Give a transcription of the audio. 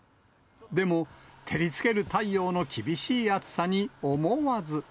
でも、照りつける太陽の厳しい暑さに思わず。